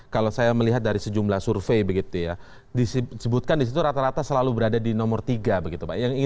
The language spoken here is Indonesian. kalau saya melihat dari sejumlah survei begitu ya disebutkan disitu rata rata selalu berada di bawah